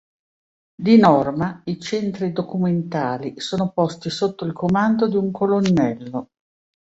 Di norma i Centri documentali sono posti sotto il comando di un colonnello